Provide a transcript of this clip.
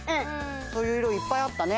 そういういろいっぱいあったね。